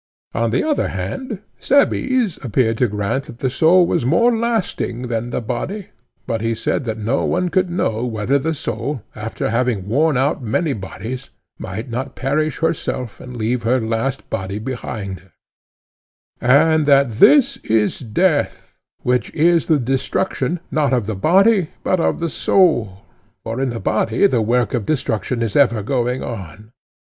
On the other hand, Cebes appeared to grant that the soul was more lasting than the body, but he said that no one could know whether the soul, after having worn out many bodies, might not perish herself and leave her last body behind her; and that this is death, which is the destruction not of the body but of the soul, for in the body the work of destruction is ever going on.